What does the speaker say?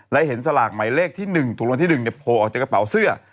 และเห็นสลากหมายเลขที่๑ถูกวันที่๑โผล่ออกจากกระเป๋าเสื้อ